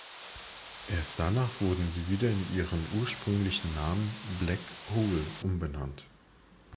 Erst danach wurde sie wieder in ihren ursprünglichen Namen "Black Hole" umbenannt.